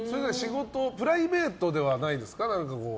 プライベートではないですか？